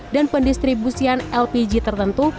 dan pendistribusian lpg tertentu